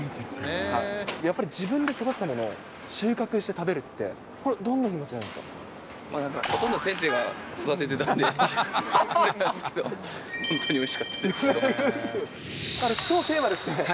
やっぱり自分で育てたのを収穫して食べるって、どんな気持ちなんか、ほとんど先生が育ててたんであれなんですけど、本当においしかっきょうのテーマは